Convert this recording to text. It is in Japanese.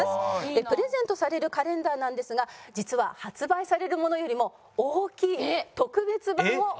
プレゼントされるカレンダーなんですが実は発売されるものよりも大きい。